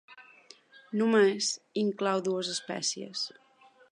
Només inclou dues espècies.